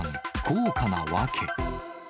高価な訳。